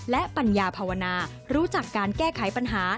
และปัญญาภาวนารู้จักการแก้ไขปัญหา